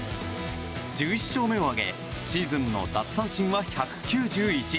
１１勝目を挙げシーズンの奪三振は１９１。